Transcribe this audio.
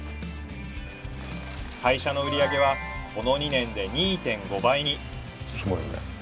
会社の売り上げはこの２年で２．５倍に。